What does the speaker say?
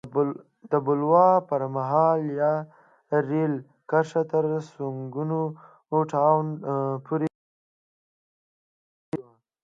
د بلوا پر مهال یاده رېل کرښه تر سونګو ټاون پورې غځول شوې وه.